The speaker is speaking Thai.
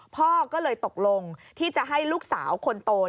พ่อก็เลยตกลงที่จะให้ลูกสาวคนโต